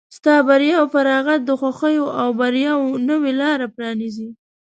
ستا بریا او فارغت د خوښیو او بریاوو نوې لاره پرانیزي.